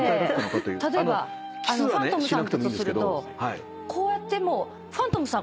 例えばファントムさんだとするとこうやってファントムさん